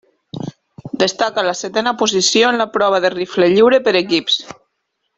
Destaca la setena posició en la prova de rifle lliure per equips.